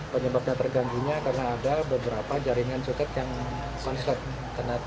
penyebabnya terganggu karena ada beberapa jaringan sutet yang korslet